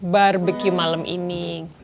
barbecue malam ini